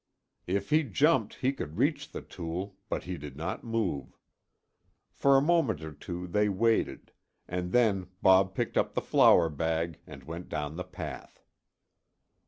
If he jumped, he could reach the tool, but he did not move. For a moment or two they waited, and then Bob picked up the flour bag and went down the path.